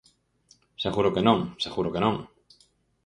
Seguro que non, seguro que non.